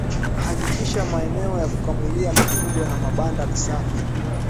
Hakikisha maeneo ya kukamulia mifugo na mabanda ni safi